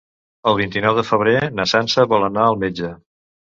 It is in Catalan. El vint-i-nou de febrer na Sança vol anar al metge.